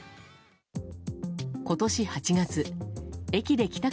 今年８月駅で帰宅